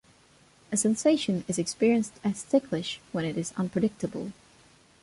A sensation is experienced as ticklish when it is unpredictable.